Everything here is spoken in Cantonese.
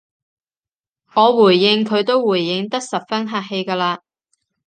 我回應佢都回應得十分客氣㗎喇